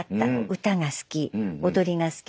歌が好き踊りが好き